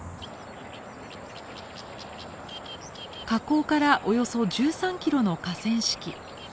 河口からおよそ１３キロの河川敷。